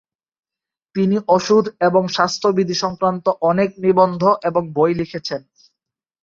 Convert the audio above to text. তিনি ওষুধ এবং স্বাস্থ্যবিধি সংক্রান্ত অনেক নিবন্ধ এবং বই লিখেছেন।